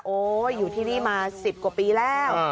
อยู่ที่นี่มา๑๐กว่าปีแล้ว